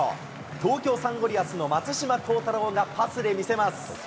東京サンゴリアスの松島幸太朗がパスで見せます。